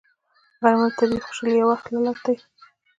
غرمه د طبیعي خوشحالۍ یو حالت دی